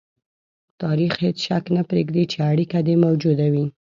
تاریخ هېڅ شک نه پرېږدي چې اړیکه دې موجوده وي.